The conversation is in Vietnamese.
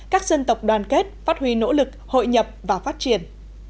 các dân tộc đoàn kết phát huy nỗ lực hội nhập và phát triển